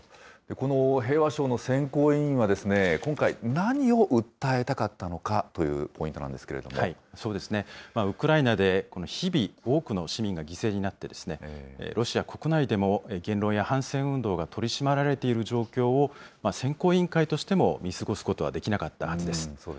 この平和賞の選考委員は今回、何を訴えたかったのかというポイントなんですけれどウクライナで日々、多くの市民が犠牲になって、ロシア国内でも言論や反戦運動が取り締まられている状況を、選考委員会としても見過ごすことはできなかったはずです。